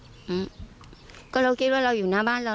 อืมก็เราคิดว่าเราอยู่หน้าบ้านเรา